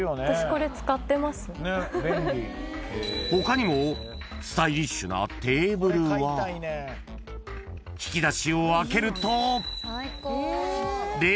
［他にもスタイリッシュなテーブルは引き出しを開けると］